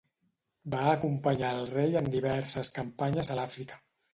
Va acompanyar el rei en diverses campanyes a l'Àfrica.